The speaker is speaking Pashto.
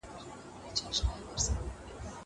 زه به چپنه پاک کړې وي!!